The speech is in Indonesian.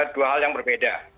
dua hal yang berbeda